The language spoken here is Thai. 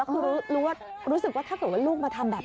ว่าอยากรู้ว่ารู้สึกว่าลูกไปทำแบบ